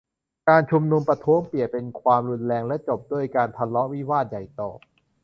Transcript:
การชุมนุมประท้วงเปลี่ยนเป็นความรุนแรง และจบลงด้วยการทะเลาะวิวาทใหญ่โต